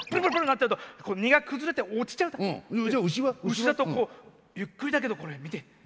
牛だとゆっくりだけどこれ見て。